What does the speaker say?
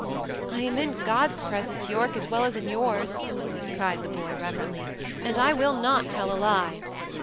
"I am in God's presence, Yorke, as well as in yours," cried the boy, reverently; "and I will not tell a lie."